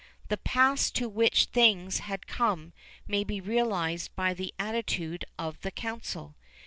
The pass to which things had come may be realized by the attitude of the council.